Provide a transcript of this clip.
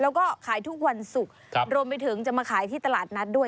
แล้วก็ขายทุกวันศุกร์รวมไปถึงจะมาขายที่ตลาดนัดด้วย